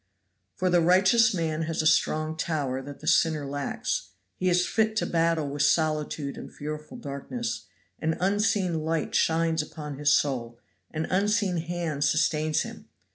"For the righteous man has a strong tower that the sinner lacks. He is fit to battle with solitude and fearful darkness; an unseen light shines upon his soul, an unseen hand sustains him.